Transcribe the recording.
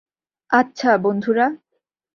আচ্ছা, বন্ধুরা।